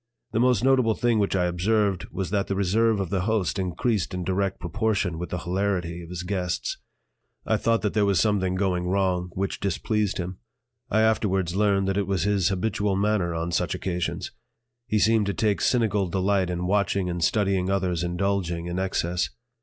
The most notable thing which I observed was that the reserve of the host increased in direct proportion with the hilarity of his guests. I thought that there was something going wrong which displeased him. I afterwards learned that it was his habitual manner on such occasions. He seemed to take cynical delight in watching and studying others indulging in excess.